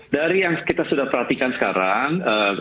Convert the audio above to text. dari yang kita sudah perhatikan sekarang